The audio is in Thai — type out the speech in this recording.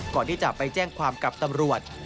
ก่อนที่จะไปแจ้งความกับตำรวจ